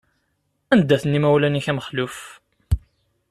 Anda-ten imawlan-ik a Mexluf?